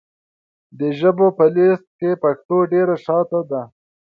د ژبو په لېسټ کې پښتو ډېره شاته ده .